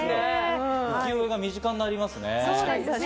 浮世絵が身近になりますね。